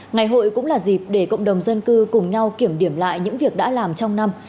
ngày hội cũng là dịp để cộng đồng dân cư cùng nhau kiểm điểm lại những việc đã làm trong năm